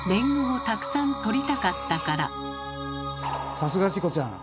さすがチコちゃん。